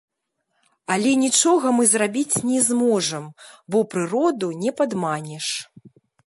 Але нічога мы зрабіць не зможам, бо прыроду не падманеш.